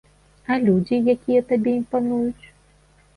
А людзі, якія табе імпануюць?